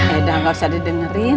yaudah gak usah didengerin